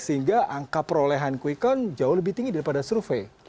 sehingga angka perolehan quick count jauh lebih tinggi daripada survei